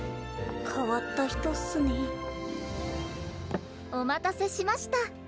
変わった人っすね。お待たせしました。